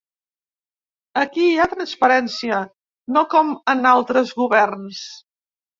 Aquí hi ha transparència, no com en altres governs.